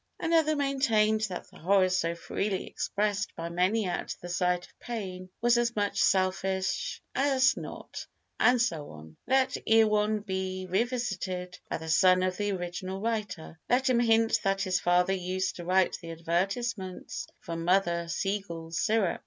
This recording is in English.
Another maintained that the horror so freely expressed by many at the sight of pain was as much selfish as not—and so on. Let Erewhon be revisited by the son of the original writer—let him hint that his father used to write the advertisements for Mother Seigel's Syrup.